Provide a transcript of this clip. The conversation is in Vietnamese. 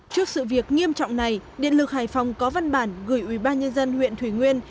trước sự việc nghiêm trọng này điện lực hải phòng có văn bản gửi ubnd huyện thủy nguyên